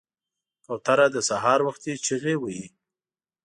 کوتره د سهار وختي چغې وهي.